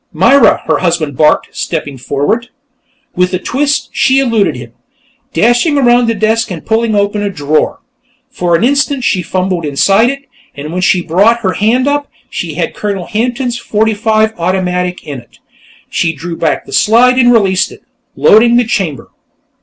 _" "Myra!" her husband barked, stepping forward. With a twist, she eluded him, dashing around the desk and pulling open a drawer. For an instant, she fumbled inside it, and when she brought her hand up, she had Colonel Hampton's .45 automatic in it. She drew back the slide and released it, loading the chamber.